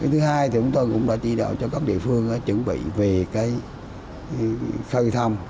thứ hai thì chúng tôi cũng đã chỉ đạo cho các địa phương chuẩn bị về khơi thông